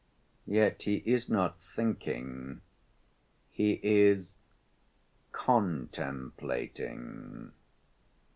Yet he is not thinking; he is "contemplating."